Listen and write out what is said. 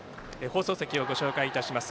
放送席をご紹介します。